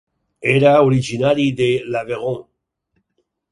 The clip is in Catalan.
Era originari de l'Aveyron.